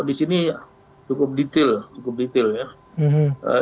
tapi ini cukup detail cukup detail ya